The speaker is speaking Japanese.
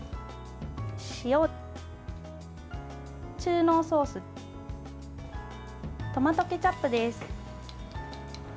塩、中濃ソーストマトケチャップです。